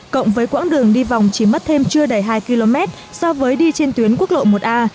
cộng với quãng đường đi vòng chỉ mất thêm chưa đầy hai km so với đi trên tuyến quốc lộ một a